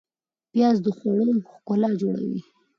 پیاز د خوړو ښکلا جوړوي